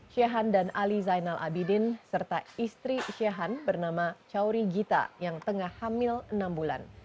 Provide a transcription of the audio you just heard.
shehan dan ali zainal abidin serta istri syahan bernama chauri gita yang tengah hamil enam bulan